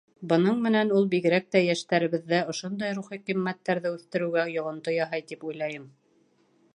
Бының менән ул бигерәк тә йәштәребеҙҙә ошондай рухи ҡиммәттәрҙе үҫтереүгә йоғонто яһай тип уйлайым.